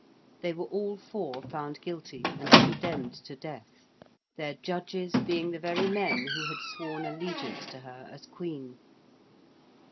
They were all four found guilty, and condemned to death their judges being the very men who had sworn allegiance to her as Queen.